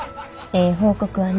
ええ報告はな